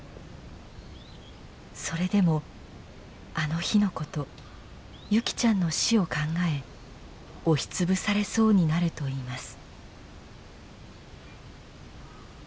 それでもあの日のこと優希ちゃんの死を考え押し潰されそうになるといいます。